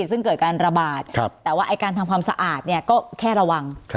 ซึ่งเกิดการระบาดแต่ว่าการทำความสะอาดก็แค่ระวัง